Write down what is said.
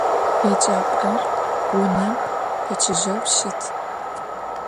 Yêcap'er vunem peçıjeu şıt.